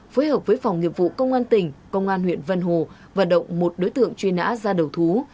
phối hợp với phòng nghiệp vụ công an tỉnh công an huyện vân hồ và động một đối tượng truy nã ra đầu thú